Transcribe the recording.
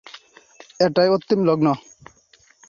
এটাই অন্তিম লগ্ন!